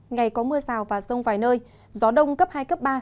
ngày có mưa rào và rông vài nơi gió đông cấp hai cấp ba